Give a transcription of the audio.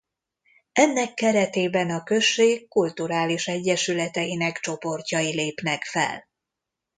Ennek keretében a község kulturális egyesületeinek csoportjai lépnek fel.